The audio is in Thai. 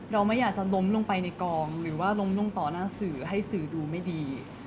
เราไม่อยากจะล้มลงไปในกองหรือว่าล้มลงต่อหน้าสื่อให้สื่อดูไม่ดี